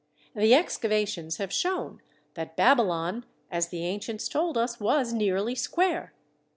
The excavations have shown that Babylon, as the ancients told us, was nearly square.